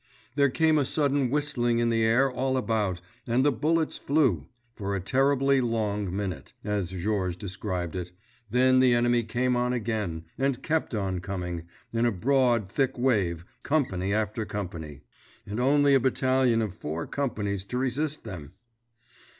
There came a sudden whistling in the air all about and the bullets flew—"for a terribly long minute," as Georges described it—then the enemy came on again, and kept on coming, in a broad, thick wave, company after company. And only a battalion of four companies to resist them!